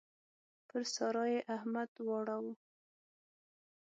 پر سارا يې احمد واړاوو.